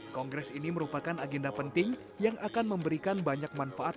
kongres ini merupakan agenda penting yang akan memberikan banyak manfaat